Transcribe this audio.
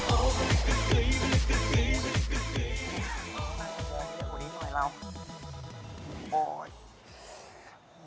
โอ้ชุดให้ยังไงครับ